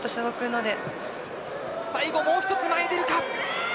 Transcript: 最後もう一つ前に出るか。